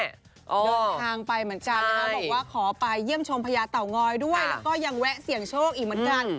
เดินทางไปเหมือนกันนะคะบอกว่าขอไปเยี่ยมชมพญาเต่างอยด้วยแล้วก็ยังแวะเสี่ยงโชคอีกเหมือนกัน